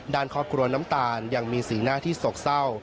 ด้านครอบครัวน้ำตาลยังมีสีหน้าที่โศกเศร้า